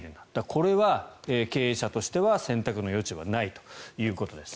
これは経営者としては選択の余地はないということです。